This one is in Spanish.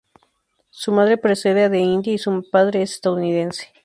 Su madre procede de India y su padre es estadounidense.